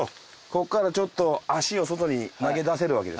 ここからちょっと足を外に投げ出せるわけですね。